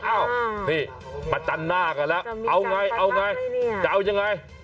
อ้าวนี่มาจันทร์หน้ากันแล้วเอาไงจะเอายังไง